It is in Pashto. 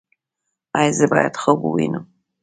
ایا زه باید خوب ووینم؟